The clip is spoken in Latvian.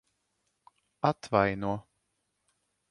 Atvaino.